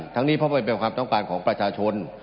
นี้เพราะมันเป็นความต้องการของประชาชน